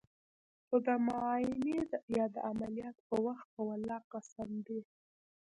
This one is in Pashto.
خو د معاينې يا د عمليات په وخت په ولله قسم ديه.